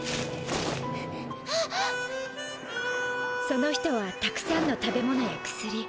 その人はたくさんの食べ物やくすり